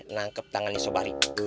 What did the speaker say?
nangkep tangannya rere